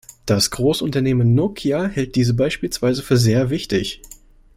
Das Großunternehmen Nokia hält diese beispielsweise für sehr wichtig.